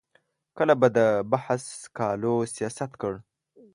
کله به د بحث سکالو سیاست کړ.